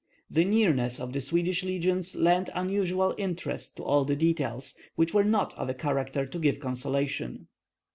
The nearness of the Swedish legions lent unusual interest to all the details, which were not of a character to give consolation.